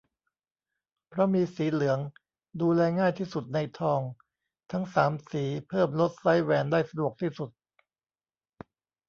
เพราะมีสีเหลือง ดูแลง่ายที่สุดในทองทั้ง สาม สี เพิ่มลดไซซ์แหวนได้สะดวกที่สุด